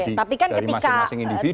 dari masing masing individu